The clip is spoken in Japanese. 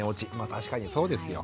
確かにそうですよ。